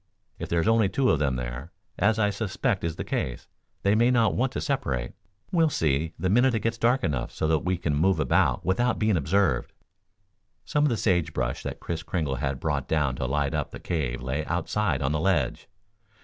If there's only two of them there, as I suspect is the case, they may not want to separate. We'll see, the minute it gets dark enough so that we can move about without being observed." Some of the sage brush that Kris Kringle had brought down to light up the cave lay outside on the ledge.